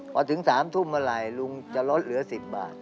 พอถึง๓ทุ่มเมื่อไหร่ลุงจะลดเหลือ๑๐บาท